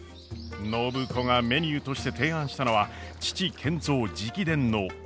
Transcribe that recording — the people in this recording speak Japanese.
暢子がメニューとして提案したのは父賢三直伝の沖縄そば！